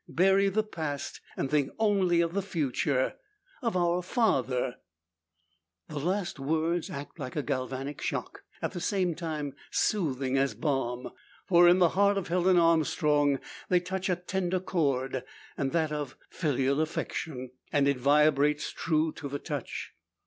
Bury the past, and think only of the future of our father!" The last words act like a galvanic shock, at the same time soothing as balm. For in the heart of Helen Armstrong they touch a tender chord that of filial affection. And it vibrates true to the touch.